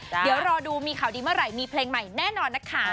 เดี๋ยวรอดูมีข่าวดีเมื่อไหร่มีเพลงใหม่แน่นอนนะคะ